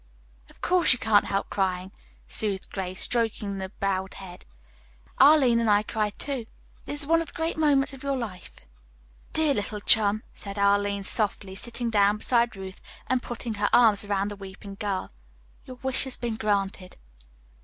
"Of course you can't help crying," soothed Grace, stroking the bowed head. "Arline and I cried, too. This is one of the great moments of your life." "Dear little chum," said Arline softly, sitting down beside Ruth and putting her arms around the weeping girl, "your wish has been granted."